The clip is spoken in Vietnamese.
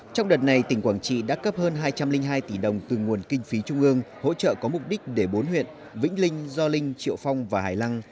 trong đợt này tỉnh quảng trị đã cấp hơn hai trăm linh hai tỷ đồng từ nguồn kinh phí trung ương hỗ trợ có mục đích để bốn huyện vĩnh linh do linh triệu phong và hải lăng